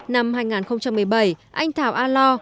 năm hai nghìn một mươi bảy anh thảo a lo